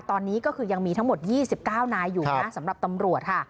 ตอนนี้ก็คือยังมีทั้งหมด๒๙นายอยู่นะสำหรับตำรวจค่ะ